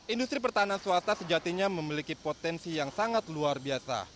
industri pertahanan swasta sejatinya memiliki potensi yang sangat luar biasa